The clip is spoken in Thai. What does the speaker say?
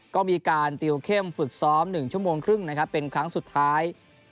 ก็มีการติวเข้มฝึกซ้อม๑ชั่วโมงครึ่งนะครับเป็นครั้งสุดท้าย